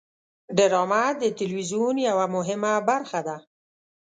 ډرامه د تلویزیون یوه مهمه برخه ده